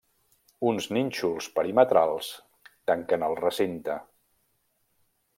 Uns nínxols perimetrals tanquen el recinte.